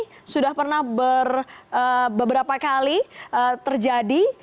ini sudah pernah beberapa kali terjadi